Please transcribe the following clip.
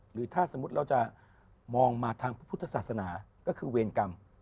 หรือถ้าสมมุติเราจะมองมาทางพระพุทธศาสนาก็คือเวรกรรม